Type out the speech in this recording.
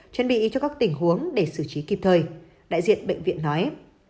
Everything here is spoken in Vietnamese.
chuẩn bị cho các tình huống để xử trí kịp thời đại diện bệnh viện nói